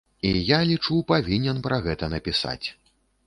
І я, лічу, павінен пра гэта напісаць.